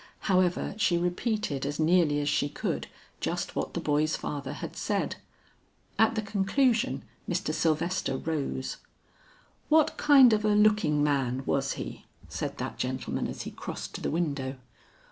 However she repeated as nearly as she could just what the boy's father had said. At the conclusion Mr. Sylvester rose. "What kind of a looking man was he?" said that gentleman as he crossed to the window.